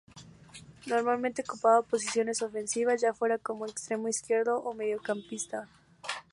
Normalmente ocupaba posiciones ofensivas ya fuera como extremo izquierdo o mediocampista.